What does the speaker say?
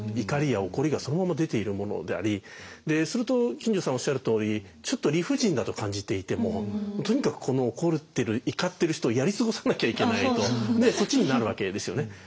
怒りや怒りがそのまま出ているものでありすると金城さんおっしゃるとおりちょっと理不尽だと感じていてもとにかくこの怒ってる怒ってる人をやり過ごさなきゃいけないとそっちになるわけですよね。